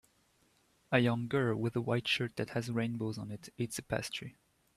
A young girl with a white shirt that has rainbows on it eats a pastry